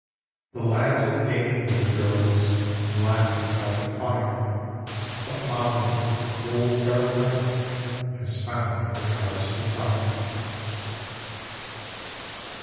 The lads are gaming with the girls, and laughing by the fire. But Mollie in the cold, dark nig^t, has found her heart's denre.